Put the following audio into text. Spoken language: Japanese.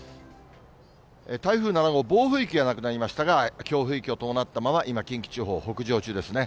台風７号、暴風域はなくなりましたが、強風域を伴ったまま、今、近畿地方を北上中ですね。